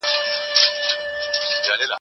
زه اجازه لرم چي انځورونه رسم کړم.